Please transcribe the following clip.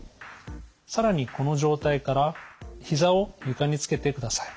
更にこの状態からひざを床につけてください。